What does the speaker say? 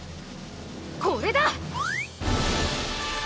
これだ！